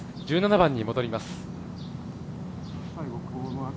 １７番に戻ります。